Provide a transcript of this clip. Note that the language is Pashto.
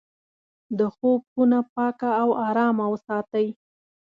د خوب خونه پاکه او ارامه وساتئ.